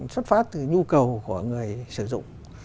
xuất phát từ nhu cầu của người sử dụng